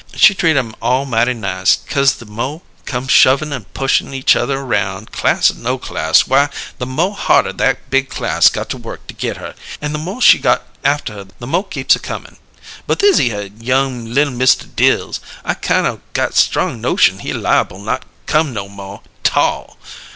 She treat 'em all mighty nice, 'cause the mo' come shovin' an' pushin' each other aroun', class or no class, why, the mo' harder that big class got to work to git her an' the mo' she got after her the mo' keeps a comin'. But thishere young li'l Mista Dills, I kine o' got strong notion he liable not come no mo' 'tall!"